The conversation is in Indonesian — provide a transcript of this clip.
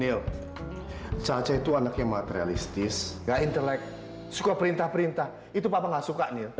niel caca itu anaknya materialistis gak intelek suka perintah perintah itu papa gak suka niel